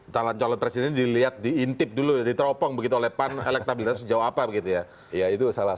calon calon presiden dilihat diintip dulu diteropong begitu oleh pan elektabilitas sejauh apa begitu ya itu salah